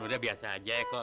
udah biasa aja kok